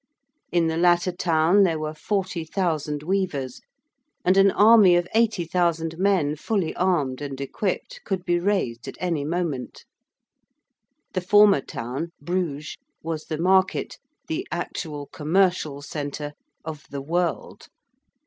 In the latter town there were 40,000 weavers, and an army of 80,000 men fully armed and equipped, could be raised at any moment. The former town, Bruges, was the Market the actual commercial centre of the world.